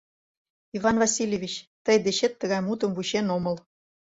Иван Васильевич, тый дечет тыгай мутым вучен омыл.